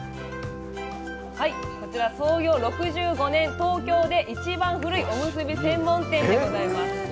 こちら創業６５年東京で一番古いおむすび専門店でございます。